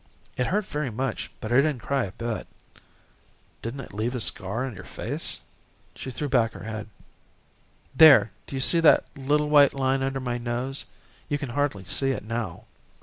It hurt very much, but I didn't cry a bit." "Didn't it leave a scar on your face?" She threw back her head. "There, do you see that little white line under my nose? You can hardly see it now."